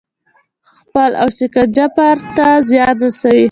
ځپل او شکنجه فرد ته زیان رسوي.